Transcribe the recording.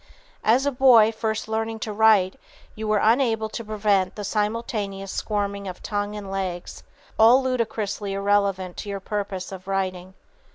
As a boy, first learning to write, you were unable to prevent the simultaneous squirming of tongue and legs, all ludicrously irrelevant to your purpose of writing.